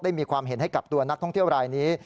มีความเห็นให้กับตัวนักท่องเที่ยวรายนี้